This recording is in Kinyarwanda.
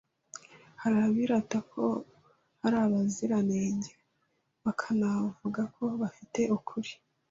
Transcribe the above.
Hari abirata ko ari abaziranenge bakanavuga ko bafite ukuri